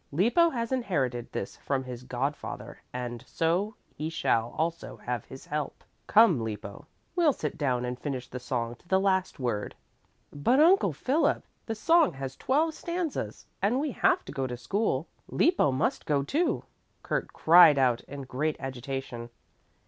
Lippo has inherited this from his god father and so he shall also have his help. Come Lippo, we'll sit down and finish the song to the last word." "But, Uncle Philip, the song has twelve stanzas, and we have to go to school. Lippo must go, too," Kurt cried out in great agitation.